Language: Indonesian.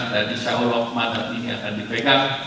dan insyaallah mandat ini akan dipegang